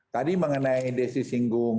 tadi mengenai indesi singgung